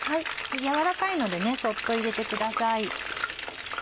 軟らかいのでそっと入れてください。